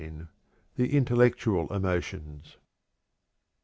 The Intellectual Emotions.